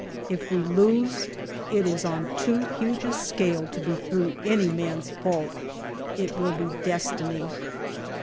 If we lose, it is on too huge a scale to be through any man's fault it will be Destiny.